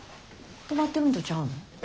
止まってるんとちゃうん？